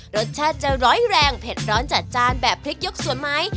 รสชาติจะร้อยแรงเผ็ดร้อนจัดจานแบบพริกยกสวนไหม